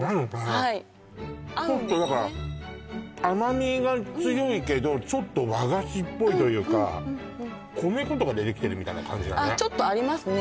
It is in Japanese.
ちょっとだから甘みが強いけどちょっと和菓子っぽいというか米粉とかでできてるみたいな感じちょっとありますね